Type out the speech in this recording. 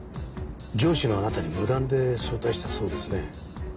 上司のあなたに無断で早退したそうですね。